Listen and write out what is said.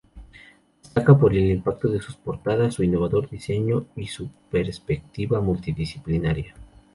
Destaca por el impacto de sus portadas, su innovador diseño y su perspectiva multidisciplinaria.